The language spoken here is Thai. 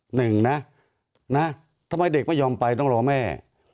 หนึ่งนะทำไมเด็กไม่ยอมไปต้องรอแม่